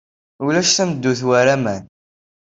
Ulac tameddurt war aman.